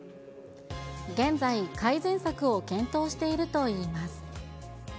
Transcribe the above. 現在、改善策を検討しているといいます。